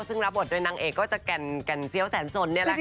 ซึ่งรับบทโดยนางเอกก็จะแก่นเซี้ยวแสนสนนี่แหละค่ะ